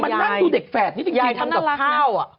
มันนั่งดูเด็กแฝดนิดนึงทีทำกับข้าวอ่ะ